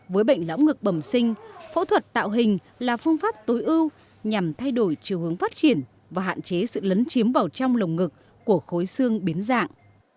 với bệnh lão ngực bẩm sinh phẫu thuật tạo hình là phương pháp tối ưu nhằm thay đổi chiều hướng phát triển và hạn chế sự lấn chiếm vào trong lồng ngực của khối xương biến dạng